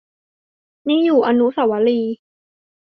นี่อยู่อนุสาวรีย์